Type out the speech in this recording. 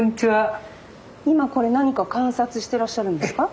今これ何か観察してらっしゃるんですか？